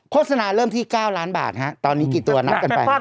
โฆษณาเริ่มที่๙ล้านบาทตอนนี้กี่ตัวนับกันไป